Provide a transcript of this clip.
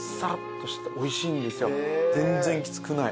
全然きつくない。